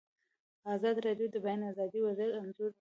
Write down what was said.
ازادي راډیو د د بیان آزادي وضعیت انځور کړی.